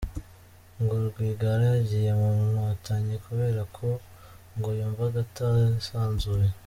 Ngo Rwigara yagiye mu Nkotanyi kubera ko ngo ”yumvaga atisanzuye”.